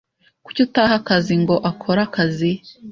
Kuki utaha akazi ngo akore akazi?